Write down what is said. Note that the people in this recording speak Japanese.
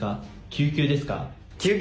救急です。